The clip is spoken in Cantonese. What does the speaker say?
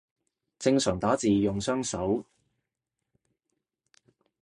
正常打字用雙手